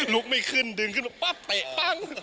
ลุกไม่ขึ้นดึงขึ้นมาปั๊บเตะปั้ง